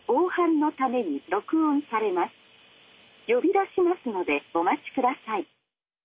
「呼び出しますのでお待ちください」。